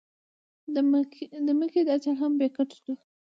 د مکۍ دا چل هم بې ګټې شو.